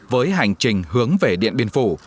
với hành trình hướng về điện biên phủ